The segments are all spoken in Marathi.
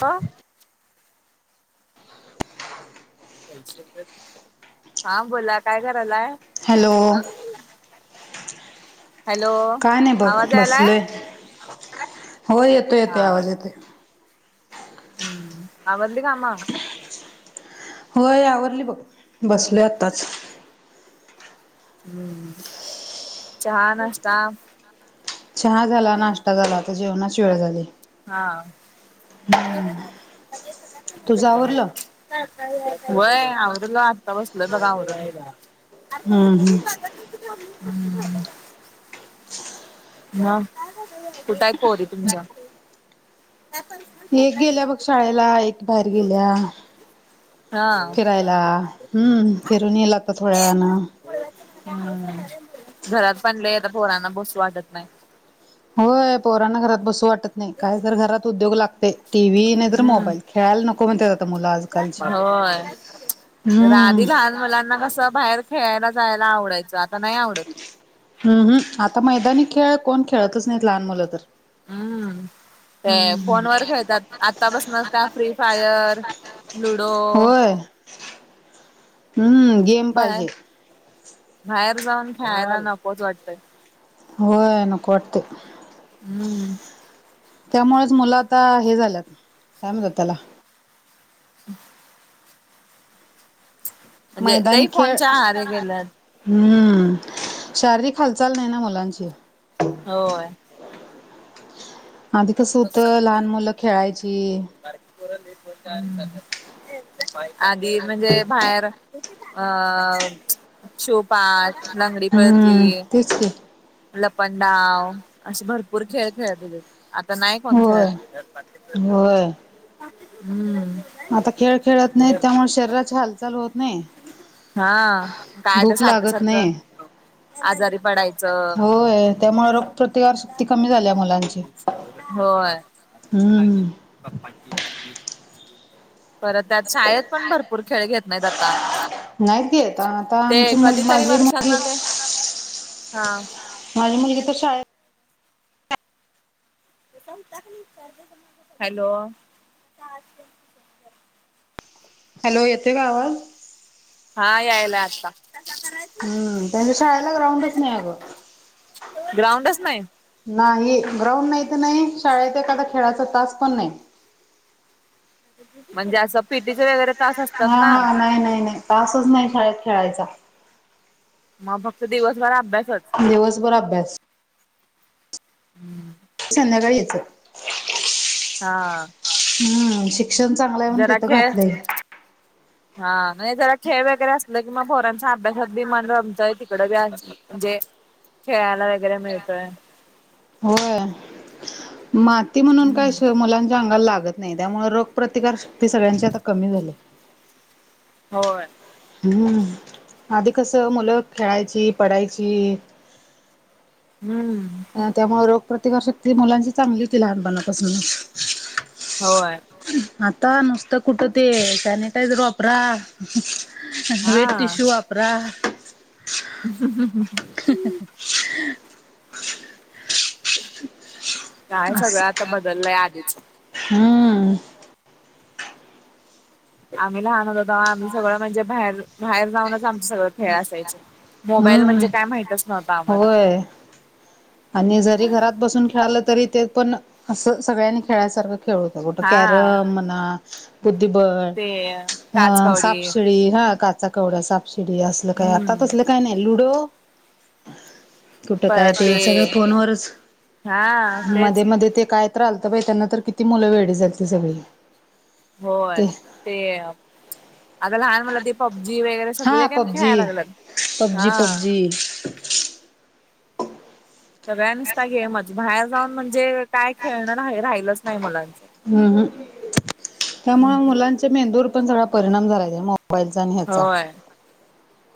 का? हा बोला काय करायलाय हॅलो हॅलो काय नाही ब आवाज यायलाय बसलोय हो येतो हा येतो आवाज येतोय. हम्म आवरंली काम होय आवरली बघ बसलोय आताच हम्म चहा नाश्ता चहा झाला नाश्ता झाला आता जेवणाची वेळ झाली. हा तुझं आवरलं होय आवरुल आत्ता बसलो बघा आवरला हम्म हम्म हम् हम् म कुठ हाय पोरी तुमच्या एक गेल्या बघ शाळेला एक बाहेर गेल्या हा फिरायला हम्म फिरून येयला आत्ताच थोड्या वेळानं हम्म घरात पण लय आता पोरांना बसू वाटत नाय. होय पोराना घरात बसू वाटत नाय काय तर घरात उद्योग लागतय टी व्ही नाय तर हम्म मोबाईल खेळायला नको म्हणत्यात आता मुलं आजकालची होय हूं आधी लहान मुलांना कसं बाहेर खेळायला जायला आवडायंचं आता नाही आवडत. हम्म हम्म आता मैदानी खेळ कोण खेळतच नाहीत लहान मुलं तर हम्म ते फोन वर खेळतात आत्तापसनच त्या फ्री फायर लुडो [unintelligible] हम्म गेम बाहेर पाहिजे. बाहेर जाऊन खेयला नकोच वाटतय हो ना कोटते हम्म त्यामुळेच मुलं आता हे झाल्यात काय म्हतात त्याला हम् म्हणजे मैदानी लई खेळ फोनच्या आहारी गेल्यात हम्म शारीरिक हालचाल नाही ना मुलांची होय आधी कसं होत लहान मुलं खेळायची क पर ल आधी म्हणजे बाहेर अ शोपा लांगडी पळती सखी लपंडाव असे भरपूर खेळ खेळत होते तर नाही कोणत्या होय होय हम्म आता खेळ खेळत नाही त्यामुळे शरीराची हालचाल होत नाही हा काय तर भूक सारखं लागत सारखं नाही आजारी पडायच होय त्यामुळे रोगप्रतिकार शक्ती कमी झाली मुलांची होय हम्म परत त्यात शाळेत पण भरपूर खेळ घेत नाहीत आता नाहीकेत ते कधीतरी वर्षांना ते हा माझी मुलगी तर शाळ खल हॅलो येते का आवाज हा यायला आत्ता हम्म त्यांळेला ग्रउं स् नाहीकू ग्राउंडच नाही नाही ग्राउंड नाही तर नाही शाळेत एखादा खेळाचा तास पण नाही म्हणजे असं पिटीचे वगरे तास हा असतात ना हा नाही नाही नाही तासच नाही शाळात खेळायचा मग फक्त दिवसभर अभ्यासच व्यवस बरा बेस्ट चंदकाळीेत हा हम श जरा खळ हा नाही जरा खेळ वगैरे असलं कि मग फोऱ्यांचा अभ्यासात बी मन रमतंय तिकडं बी अस म्हणजे खेळाला वगैरे मिळतोय होय माती म्हणून काय मुलांच्या अंगाला लागत नाही त्यामुळे रोग प्र्रतिकार शक्ती सगळ्यांची आता कमी झाली होय आधी कसं मुलं खेळायची पडायची हम्म त्यामुळे रोग प्र्रतिकारशक्ती मुलांची चांगली होती लानपणापासूनच होय आता नुसत कुठती सॅनीिटैझर अप्र वेटी हा शू अपरा ह ह ह ह. [inaudible] [unintelligible] [unintelligible] काय अस सगळं आता बदललंय आधीच. हम्म. आमेला आन. आम्ही सगळ म्हणजे बा बाहेर जाऊनचम सगळ खेळ असाय मोबाईल हम्म म्हणजे काय माह. होता आम्हाला‌ होय आणि जरी घरात बसून खेळालं तरी ते पण असं सगळ्यांनी खेळासारखं खेळत. त्या गोटं हा कॅरम म कुदी बळ. ते. अ काचकवडी सापसिडी हा काचा कवड्या सापसिडी असलं काय आता. हम्म कसलं काय नाही लुडो. [inaudible] कुठं काय ते सगळं फोनवरच हा तेच मध्ये मध्ये ते काय. लत बाई त्यांना तर किती मुलं वेळे झालती सगळी. होय ते ते. आता लहान मुला ते पब्जी वगैरे सगळ हा काय खेळायला लागलं हा. ती. सगळ्यांनीचता गेमच बाहेर जाऊन म्हणजे काय खेळणं राहिलच नाही मुलांचं. ह् त्यामुळे मुलांच्या मेंदूवर पण सगळा परिणाम झालाय त्या. मोबाईल. होय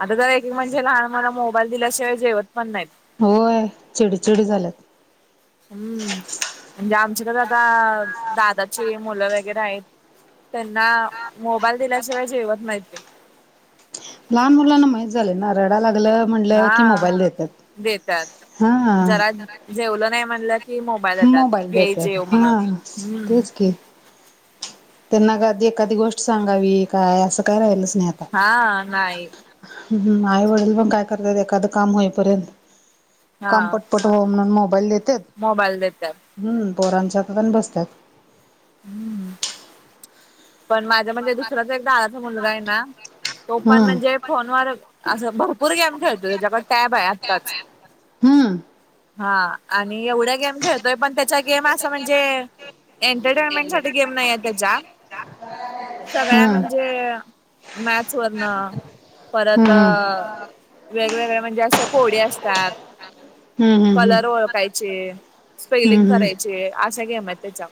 आता जर एक म्हणजे लहान मला मोबाईल दिल्याशिवाय जेवत पण नाहीत. होय चेडी चचेडी झाल्यात. हम्म म्हणजे आमच्याकडे आता दादाचे मुलं वगैरे आहेत. त्यांना मोबाईल दिल्याशिवाय जेवत माहिती. लहान मुलांना माहित झालं ना रडा लागलं म्हणलं की हा मोबाईल देतात. देतात हा जरा जेवलं नाही म्हणलं की मोबाईल देतात घे देतात जेव म्हणून. हा हम्म. तेच की. त्यांना कधी एखादी गोष्ट सांगावी काय असं काय राहिल स्नेहत. हा नाही. ह आई वडील पण काय करतात एखादं काम होईपर्यंत काम हा पट पटून मोबाईल देत. मोबाईल देतात. हम पोरांच्या आात आणि बसतात. हम्म. पण माझ्या म्हणजे दुसराचा एकदाादााचा मुलगा आहे ना तो पण हम्म म्हणजे. फोनवर असं भरपूर गेम खेळतो त्याच्याकडे टॅब आहे आत्ताच. हम्म [inaudible] हा आणि एवढ्या गेम खेळतोय पण त्याचा गेम असं म्हणजे. एंटरटेनमेंट साठी गेम नाहीे त्याच्या. सगळ्या हम्म म्हणजे मॅथस वरनं परत. हम्म हम्म वेगवेगळ म्हणजे असं पोळे असतात. हम्म हम्म. कलर ओळखायचे स्पेलिंग हम्म हम्म करायचे अशा घेम आहेत त्याच्या.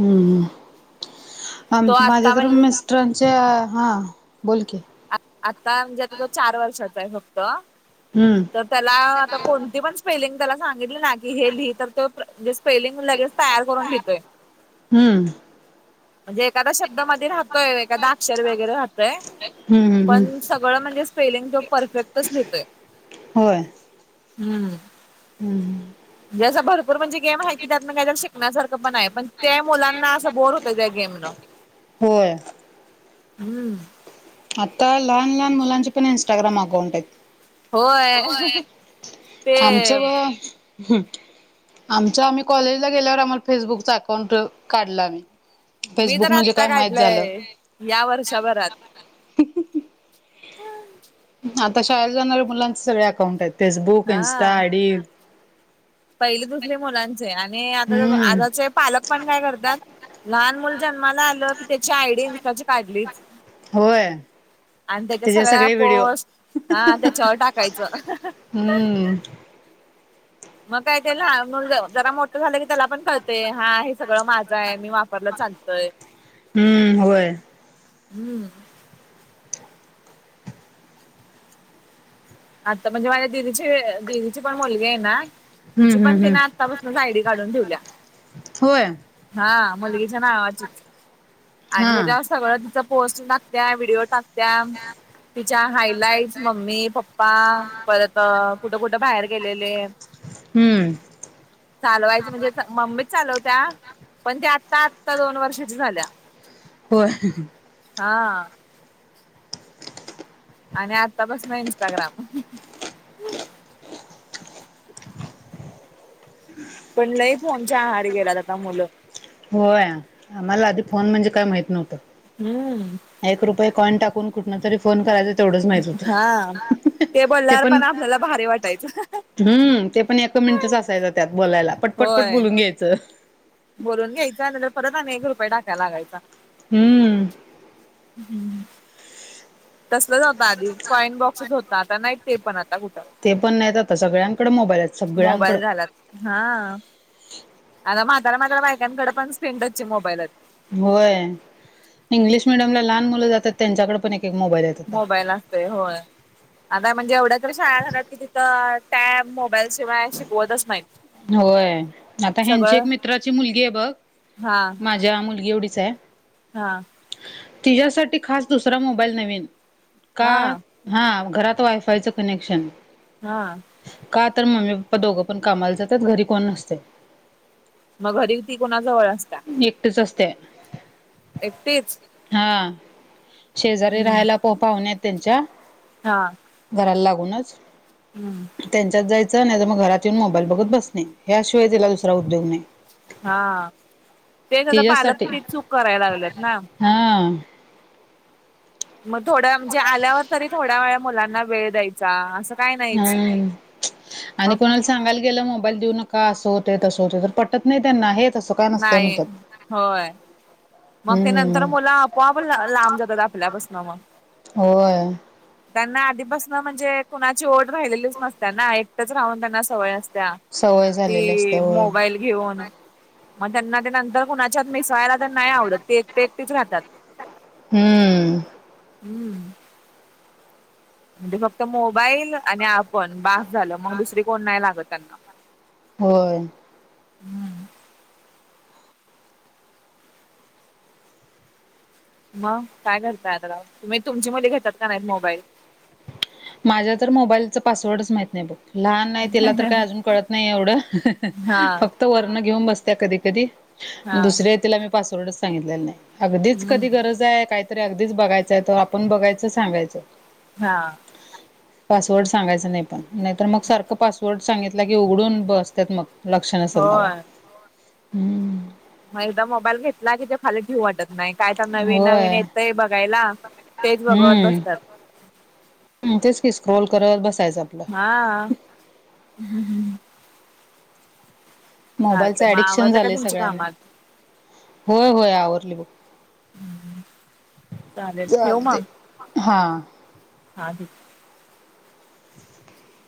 हम्म आम तो माझ्या आता तर म म्हणजे मिस्टरंटचे हां बोल की. आत्ता म्हणजे आता तो चार वर्षाचा आहे फक्त. हम्म. त्याला आता कोणती पण स्पेलिंग त्याला सांगितली ना की हे लि तर ते‌. े स्पेलिंग लगेच तयार करून घेतोय. हम्म. म्हणजे एखादा शब्द मध राहतोय एखादा अक्षर वगैरे राहतोय. हम् हम् पण सगळं म्हणजे स्पेलिंग तो परफेक्टच लिहीतोय. होय हम्म हम् जं भरपूर म्हणजे गेम आहे क त्यात काय शिकण्यासारखं पण आहे पण ते मुलांना असं बोर होत. घा गेम न होय हम्म आता लहान लहान मुलांचे पण इं्स्टाग्राम अकाउंट आहेत. होय ते आमचं व आमच्या आम्ही कॉलेजला गेल्यावर आम्हाला फेसबुकच अकाउंट काढला आम्ही मी फेसबुक तर म्हणजे आत्ता काय माहित झालं. काढलंय या वर्षभरात आता शाळेत जाणाऱ्या मुलांचे सगळे अकाउंट आहेत फेसबुक इन्स्टा हा. आयडी. पहिली दुसरी मुलांचे आणि आता हम्म आताचे पालक पण काय करतात लहान मुल जन्माला आलं की त्याची आयडी इन्स्टाची काढली. होय. आणि त्याच्या त्याचे सगळ्या सगळे व्हिडिओ पोस् हा त्याच्यावर टाकायचं. हम्म मग काय ते मग जरा मोठं झालं की त्याला पण कळते हा सगळं माझा आहे मी वापरला चालतोय हम्म होय हम्म आता म्हणजे माझ्या दिदीची दिदीची पण मुलगी आहे ना, हम्म तिची पण हम्म हम्म तिने आत्तापासूनच आयडी काढून ठेवल्या. होय. हा मुलगीच्या नावाची हा आणि त्या्याच्या सगळं तिच पोस्ट टाकत्या व्हिडिओ टाक्या तिच्या हायलाइटस मम्मी प् परत कुठं कुठं बाहेर गेलेले. हम्म चालवायचं म्हणजे मम्मीच चालवत्या. पण ते आत्ता आत्ता दोन वर्षाची झाल्या. होय हा आणि आत्तापस ना इं्स्टाग्राम पण लई फोनच्या आहार गेलात आता मुलं होय आम्हाला आधी फोन म्हणजे काय माहित नव्हतं. हम्म एक रुपये कॉइन टाकून कुठ तरी फोन करायच तेवढंच माहित हा होत ते बोलल्यावर पण आपल्याला भारी वाटायचं हम् ते पण एक मिनिटच असायचं त्यात बोलायला पट पटपट होय बोलून घ्यायचं. बोलून घ्यायचा आणिंत परत त्यात एक रुपये टाकाय लागायचा. हम्म तसलच होता आधी फॉइन बॉक्सस होता आता नाही ते पण आता कुठं ते पण नाहीत आता सगळ्यांकडे मोबाईल आहेत सगळ्यांकडं मोबाईल झालात. हा आता म्हातार म्हातारा बायकांकडे पण स्क्रीनटच मोबाईल आहे. होय इंग्लिश मिडियम ला लहान मुलं जातात त्यांच्याकडे पण एक एक मोबाईल य. मोबाईल असते होय आता म्हणजे एवढ्या तर शाळा झाल्यात की तिथं टॅब मोबाईल शिवाय शिकवतच नाहीत. होय आता ह्यांची सगळं एक मित्राची मुलगी आहे बघ हा माझ्या मुलगी एवढीच आहे. हा. तिच्या्यासाठी खास दुसरा मोबाईल नवीन का. हा हा घरात वायफायचं कनेक्शन. हा. का तर मम्मी पप्पा दोघं पण कामाला जातात घरी कोण नसते. मग घरी ती कोणा जवळ असत? एकटच असते. एकटेच. हा शेजारी हम्म राहायला प पाहून येत त्यांच्या. हा. घराला लागूनच. हम्म. त्यांच्यात जायचं नाही तर मग घरात येऊन मोबाईल बघत बसणे याशिवाय त्याला दुसरा उद्योग नाही. हा तेच आता पालक ते चूक करायला लागलेत ना. हां. मग थोड्या म्हणजे आल्यावर तरी थोड्या वेळा मुलांना वेळ द्यायचा. असं काय नाहीच हम् आणि मग. कोणाला सांगायला गेलं मोबाईल देऊ न का असं होते तसं होते तर पटत नाही त्यांना हे तसं. काय नसतंय नाही म्हणतात होय. मग ते नंतर हम्म मुला आपोआप लांब जातात आपल्यापासन मग. होय [inaudible] त्यांना आधीपासन म्हणजे कुणाची ओढ राहिलेलीच नसतना एक. राह त्यांना सवय असत सवय झालेली असते होय मो. घेऊन मग त्यांना नंतर कुणाच्या मिसायला. नाही आवडत ते एकटे एकटीच राहतात हम्म हम्म. म्हणजे फक्त मोबाईल आणि आपण बास झालं मग दुसरी कोण नाही लागत त्यांना. होय. हम्म मग काय करताय आता तुम्ही तुमची मुली घेतात का नाहीत मोबाईल? माझ्या तर मोबाईलचं पासवर्डच माहत नाही बघ. लहान नाही त्याला तर काय अजून कळत नाही एवढं हा फक्त. [unintelligible] तर वर्ण घऊन बसत्या कधी कधी हा दुसऱ्या तिला मी पासवर्डच सांगितलेलं नाही. अगदीच हम्म कधी गरज आहे काहीतरी अगदीच बघायचंय त आपण बघायचं सांगायचं. हा. पासवर्ड सांगायच नाही पण नाहीतर मग सारखं पासवर्ड सांगितलं की उघडून बसतात मग. लक्षण असल नावा होय. हम्. मग एकदा मोबाईल घेतला की ते खा ठीऊ वाटत. नाही काय तर नवीन नवीन होय येतंय बघायला तेच बघवत बसतात. हम्म तेच की स्क्रोल करत बसायचं आपला. हा हम् हम्म. मोबाईलच चालतय मग ऍडिक्शन आवरलं का झाले तुमची सगळ्यांना कामात होय होय आवरली बुक. चालेल ठेऊ चालते मग. हा. हादी. [inaudible]